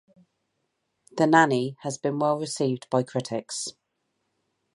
"The Nanny" has been well received by critics.